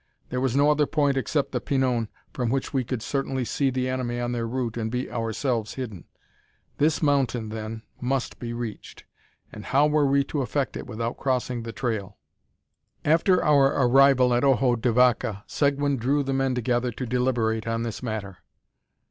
There was no other point except the Pinon from which we could certainly see the enemy on their route and be ourselves hidden. This mountain, then, must be reached; and how were we to effect it without crossing the trail? After our arrival at Ojo de Vaca, Seguin drew the men together to deliberate on this matter.